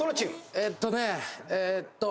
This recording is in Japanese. えっとねえっと